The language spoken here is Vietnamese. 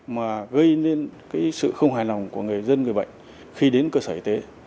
mà gây nên sự không hài lòng của người dân người bệnh khi đến cơ sở y tế